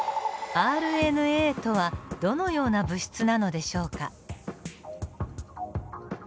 ＲＮＡとはどのような物質なのでしょうか。